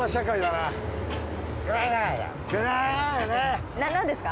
なんですか？